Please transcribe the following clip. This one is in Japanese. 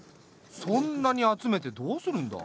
そんなに集めてどうするんだ？